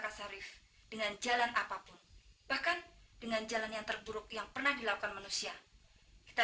rasa rif dengan jalan apapun bahkan dengan jalan yang terburuk yang pernah dilakukan manusia kita